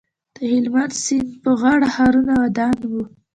د هلمند سیند په غاړه ښارونه ودان وو